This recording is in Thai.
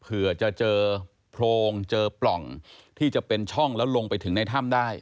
เผื่อจะเจอโพรงเจอปล่องที่จะเป็นช่องแล้วลงไปถึงในถ้ำได้